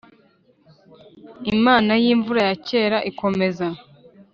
imana y'imvura ya kera ikomeza,